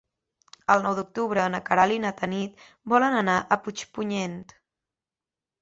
El nou d'octubre na Queralt i na Tanit volen anar a Puigpunyent.